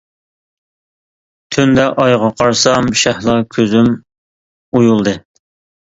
تۈندە ئايغا قارىسام، شەھلا كۆزۈم ئويۇلدى.